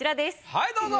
はいどうぞ。